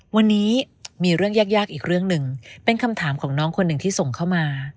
วันนี้มีเรื่องยากอีกเรื่องหนึ่งเป็นคำถามของน้องคนหนึ่งที่ส่งเข้ามา